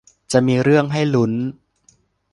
จะมีเรื่องให้ลุ้น